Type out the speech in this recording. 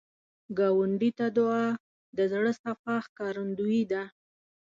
ګاونډي ته دعا، د زړه صفا ښکارندویي ده